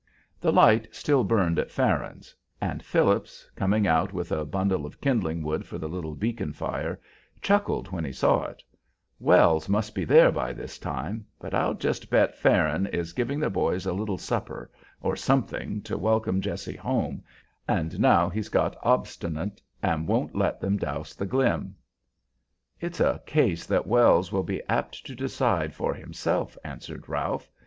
The light still burned at Farron's, and Phillips, coming out with a bundle of kindling wood for the little beacon fire, chuckled when he saw it, "Wells must be there by this time, but I'll just bet Farron is giving the boys a little supper, or something, to welcome Jessie home, and now he's got obstinate and won't let them douse the glim." "It's a case that Wells will be apt to decide for himself," answered Ralph.